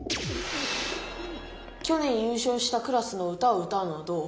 去年優勝したクラスの歌をうたうのはどう？